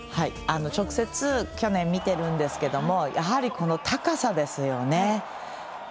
直接去年、見ているんですけどやはり、この高さですよね。